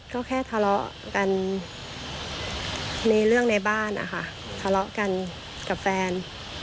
ก็แค่ทะเลาะกันในเรื่องในบ้านนะคะทะเลาะกันกับแฟน